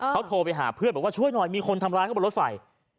เขาโทรไปหาเพื่อนบอกว่าช่วยหน่อยมีคนทำร้ายเขาบนรถไฟ